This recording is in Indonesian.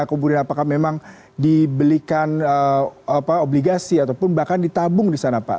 kemudian apakah memang dibelikan obligasi ataupun bahkan ditabung di sana pak